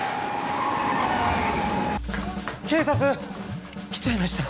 警察来ちゃいました。